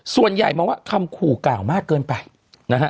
ส่วนใหญ่มองว่าคำขู่กล่าวมากเกินไปนะฮะ